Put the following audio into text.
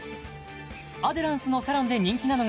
アデランスのサロンで人気なのが